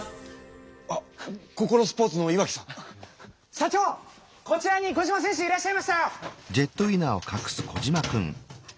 社長こちらにコジマ選手いらっしゃいましたよ！